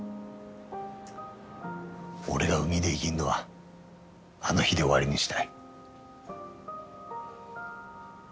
俺が海で生ぎんのはあの日で終わりにしたい。